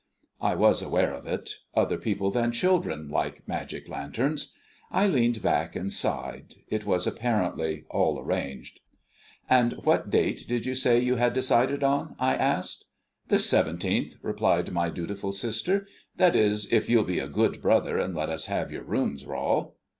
I was aware of it other people than children like magic lanterns. I leaned back and sighed; it was apparently all arranged. "And what date did you say you had decided on?" I asked. "The 17th," replied my dutiful sister; "that is, if you'll be a good brother, and let us use your rooms, Rol."